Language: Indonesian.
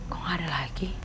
kok gak ada lagi